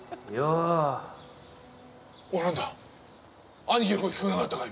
うおっ何だ兄貴の声聞こえなかったか！？